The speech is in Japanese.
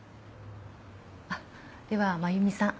あっでは真弓さん。